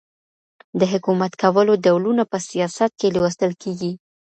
د حکومت کولو ډولونه په سیاست کي لوستل کیږي.